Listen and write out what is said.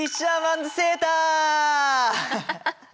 アハハハ。